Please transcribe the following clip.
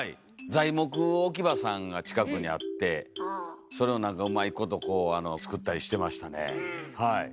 材木置き場さんが近くにあってそれを何かうまいことこうあの作ったりしてましたね。